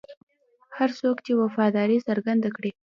هر څوک چې وفاداري څرګنده کړي.